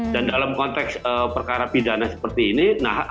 dan dalam konteks perkara pidana seperti ini